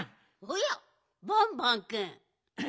おやバンバンくん。